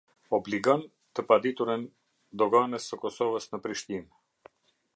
Obligon të paditurën Doganës së Kosovës në Prishtinë.